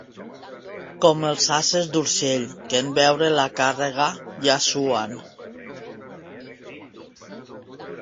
Com els ases d'Urgell, que en veure la càrrega ja suen.